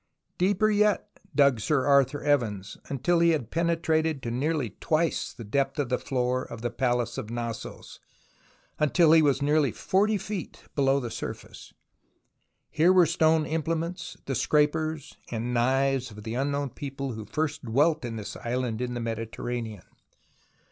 Deeper yet dug Sir Arthur Evans, until he had penetrated to nearly twice the depth of the floor of the Palace of Knossos, until he was nearly 40 feet below the surface. Here were stone imple ments, the scrapers and knives of the unknown people who first dwelt in this island in the Medi terranean.